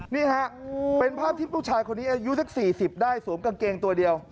นี่ฮะเป็นภาพที่ผู้ชายคนนี้อายุสัก๔๐ได้สวมกางเกงตัวเดียว